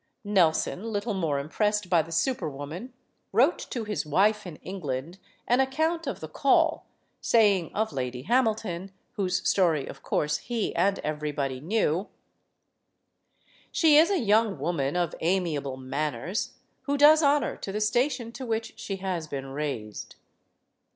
Nelson, little more impressed by the super woman, wrote to his wife in England an ac count of the call, saying of Lady Hamilton whose story, of course, he and everybody knew: "She is a young woman of amiable manners, who does honor to the station to which she has been raised."